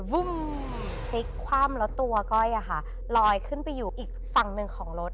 เข้าที่คว่ำแล้วตัวก้อยลอยขึ้นไปอยู่อีกฝั่งหนึ่งของรถ